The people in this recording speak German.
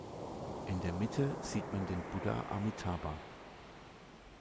In der Mitte sieht man den Buddha Amitabha.